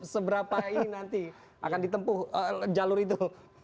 seberapa ini nanti akan ditempuh jalur itu